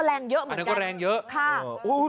อันนั้นก็แรงเยอะเหมือนกัน